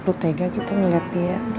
perlu tega gitu ngeliat dia